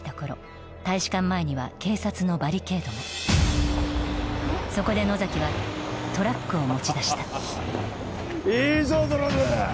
大使館前には警察のバリケードがそこで野崎はトラックを持ち出したハハハハハいいぞドラム！